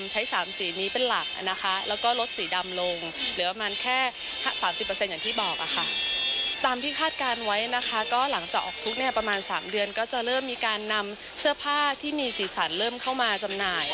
จะมีการนำเสื้อผ้าที่มีสีสันเริ่มเข้ามาจำหน่าย